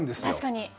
確かに。